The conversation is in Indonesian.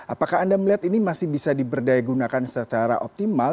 apakah anda melihat ini masih bisa diberdaya gunakan secara optimal